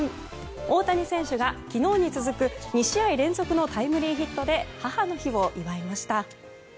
大谷選手が昨日に続く２試合連続のタイムリーヒットで母の日を祝いました。